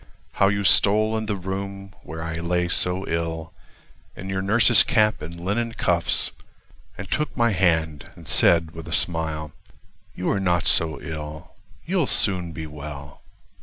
How you stole in the room (where I lay so ill) In your nurse's cap and linen cuffs, And took my hand and said with a smile: "You are not so ill—you'll soon be well."